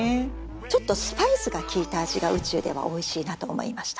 ちょっとスパイスが効いた味が宇宙ではおいしいなと思いました。